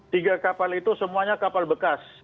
tiga kapal itu semuanya kapal bekas